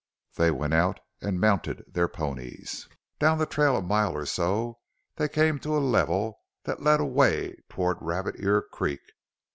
They went out and mounted their ponies. Down the trail a mile or so they came to a level that led away toward Rabbit Ear Creek.